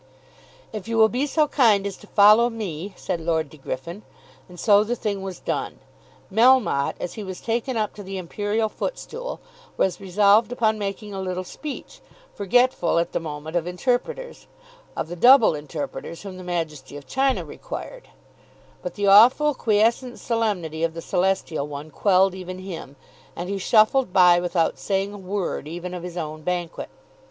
"If you will be so kind as to follow me," said Lord De Griffin. And so the thing was done. Melmotte, as he was taken up to the imperial footstool, was resolved upon making a little speech, forgetful at the moment of interpreters, of the double interpreters whom the Majesty of China required; but the awful, quiescent solemnity of the celestial one quelled even him, and he shuffled by without saying a word even of his own banquet.